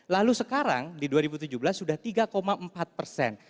lalu sekarang di dua ribu tujuh belas sudah tiga empat persen